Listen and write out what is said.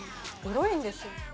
「グロいんですよ」